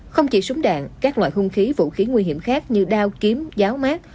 không chỉ súng đạn các loại hung khí vũ khí nguy hiểm khác như đao kiếm giáo mát